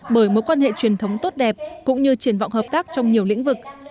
bởi mối quan hệ truyền thống tốt đẹp cũng như triển vọng hợp tác trong nhiều lĩnh vực